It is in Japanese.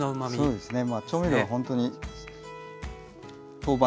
そうですね。